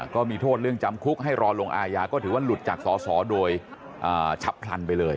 ก็มีโทษเรื่องจำคุกให้รอลงอาญาก็ถือว่าหลุดจากสอสอโดยฉับพลันไปเลย